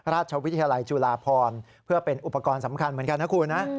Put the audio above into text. ราชวิทยาลัยจุฬาพรเพื่อเป็นอุปกรณ์สำคัญเหมือนกันนะคุณนะ